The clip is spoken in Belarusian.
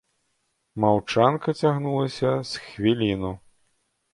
Маўчанка цягнулася з хвіліну.